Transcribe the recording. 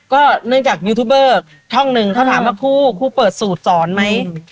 ก็เนื่องจากยูทูบเบอร์ช่องหนึ่งเขาถามว่าคู่คู่เปิดสูตรสอนไหม